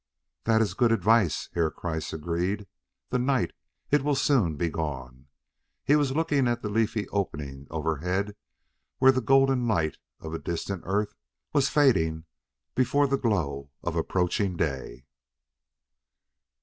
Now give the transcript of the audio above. "That is good advice," Herr Kreiss agreed. "The night, it will soon be gone." He was looking at the leafy opening overhead where the golden light of a distant Earth was fading before the glow of approaching day.